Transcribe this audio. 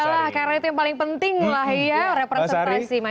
karena itu yang paling penting lah ya representasi masyarakat